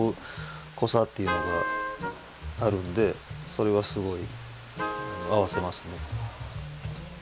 それはすごい合わせますね。